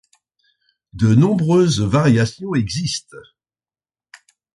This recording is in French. De nombreuses variations existent.